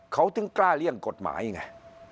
เขาถึงกล้าเลี่ยงกฎหมายไง